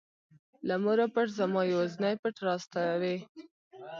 له موره پټ زما یوازینى پټ راز ته وې.